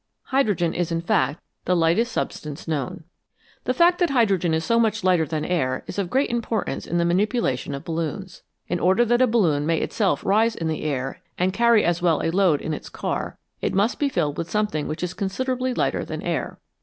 Hydrogen is, in fact, the lightest substance known. The fact that hydrogen is so much lighter than air is of great importance in the manipulation of balloons. In order that a balloon may itself rise in the air and carry as well a load in its car, it must be filled with something which is considerably lighter than air.